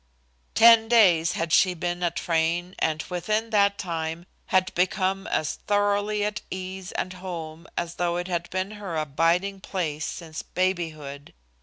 Ten days had she been at Frayne and within that time had become as thoroughly at ease and home as though it had been her abiding place since babyhood.